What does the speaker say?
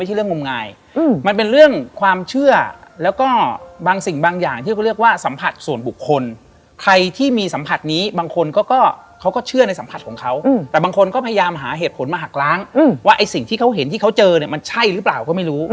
ถึงแม้ว่ามันจะใช้ได้มาตลอดมันมาดับตรงซ้ายพอดี